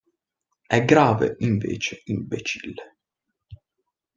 È grave, invece, imbecille!